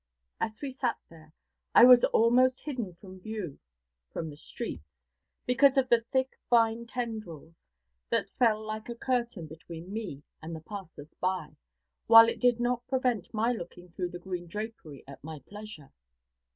As we sat there I was almost hidden from view from the streets, because of the thick vine tendrils that fell like a curtain between me and the passers by, while it did not prevent my looking through the green drapery at my pleasure.